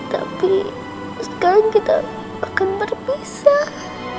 tapi sekarang kita akan berpisah